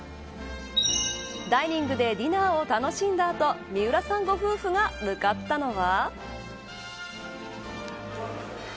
ダイニングでディナーを楽しんだ後三浦さんご夫婦が向かったのは。